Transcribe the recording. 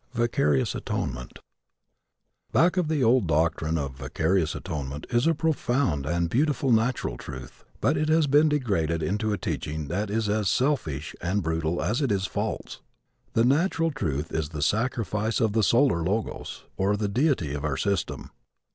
CHAPTER XIII. VICARIOUS ATONEMENT Back of the old doctrine of vicarious atonement is a profound and beautiful natural truth, but it has been degraded into a teaching that is as selfish and brutal as it is false. The natural truth is the sacrifice of the solar Logos, or the deity of our system.